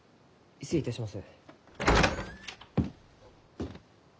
失礼いたします。